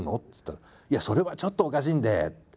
っつったら「いやそれはちょっとおかしいんで」。